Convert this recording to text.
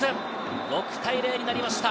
６対０になりました。